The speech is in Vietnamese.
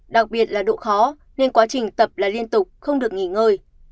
đặc biệt là độ khó nên quá trình tập là liên tục không được nghỉ ngơi